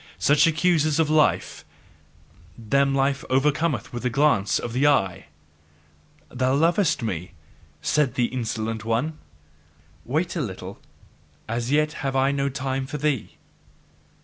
Such accusers of life them life overcometh with a glance of the eye. "Thou lovest me?" saith the insolent one; "wait a little, as yet have I no time for thee."